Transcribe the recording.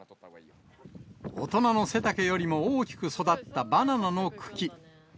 大人の背丈よりも大きく育ったバナナの茎。